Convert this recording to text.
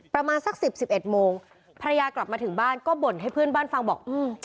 ประมาณสัก๑๐๑๑โมงภรรยากลับมาถึงบ้านก็บ่นให้เพื่อนบ้านฟังบอก